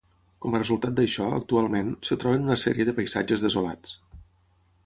Com a resultat d'això, actualment, es troben una sèrie de paisatges desolats.